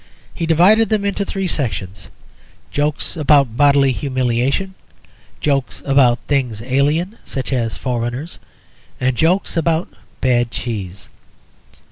He divided them into three sections: jokes about bodily humiliation, jokes about things alien, such as foreigners, and jokes about bad cheese.